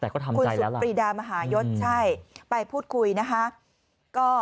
คุณศุษฎีริดามหายุทธ์ไปพูดคุยนะฮะ